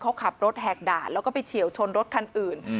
เขาขับรถแหกด่านแล้วก็ไปเฉียวชนรถคันอื่น